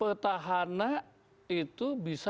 petahana itu bisa